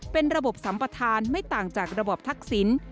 เป็นระบบสัมประธานไม่ต่างจากระบอบทักษิณ